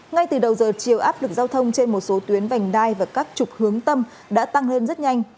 ngay từ đầu giờ chiều áp lực giao thông trên một số tuyến vành đai và các trục hướng tâm đã tăng lên rất nhanh